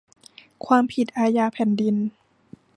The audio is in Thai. ความผิดอาญาแผ่นดิน